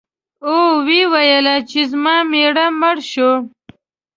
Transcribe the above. او ویل یې چې زما مېړه مړ شو.